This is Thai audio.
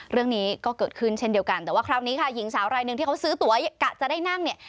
เรื่องนี้ก็เกิดขึ้นเช่นเดียวกันแต่ว่าคราวนี้ค่ะหญิงสาวรายหนึ่งที่เขาซื้อตัวกะจะได้นั่งเนี่ย